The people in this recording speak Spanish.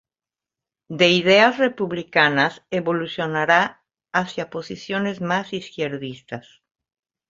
De ideas republicanas evolucionará hacia posiciones más izquierdistas.